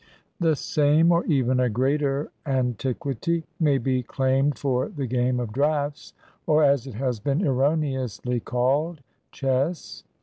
The same,''or even a greater, antiquity may be claimed for the game of draughts, or, as it has been erroneously called, chess.